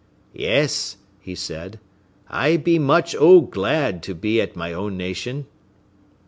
"Yes," he said, "I be much O glad to be at my own nation."